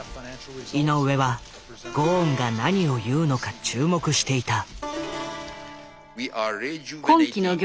井上はゴーンが何を言うのか注目していた。